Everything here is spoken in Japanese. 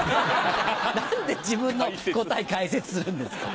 何で自分の答え解説するんですか。